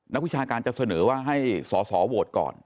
วิชาการจะเสนอว่าให้สอสอโหวตก่อน